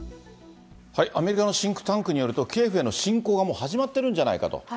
アメリカのシンクタンクによると、キエフへの侵攻がもう始まっているんじゃないかと。